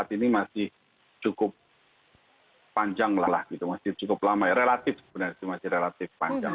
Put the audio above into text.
ini masih cukup panjang lah gitu masih cukup lama ya relatif sebenarnya masih relatif panjang